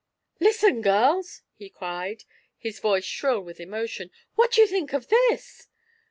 "Listen, girls!" he cried, his voice shrill with emotion. "What do you think of this?